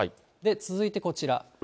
続いてこちら。